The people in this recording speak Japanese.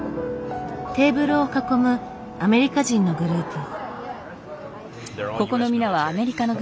テーブルを囲むアメリカ人のグループ。